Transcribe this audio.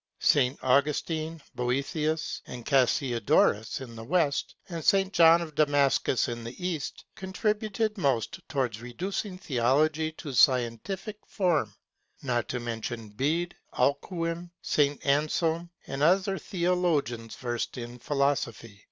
St. Augustine, Boethius and Cassiodorus in the West, and St. John of Damascus in the East contributed most towards reducing theology to scientific form, not to mention Bede, Alcuin, St. Anselm and some other theologians versed in philosophy.